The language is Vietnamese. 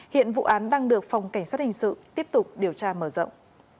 hiện vụ án đang được phòng cảnh sát hình sự tiếp tục điều tra mở rộng